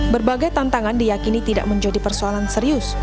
berbagai tantangan diyakini tidak menjadi persoalan serius